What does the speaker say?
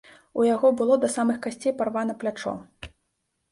У яго было да самых касцей парвана плячо.